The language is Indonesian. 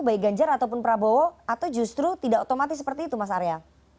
baik ganjar ataupun prabowo atau justru tidak otomatis seperti itu mas arya